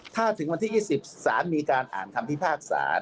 ถ้าถึงวันที่๒๐สารมีการอ่านคำพิพากษา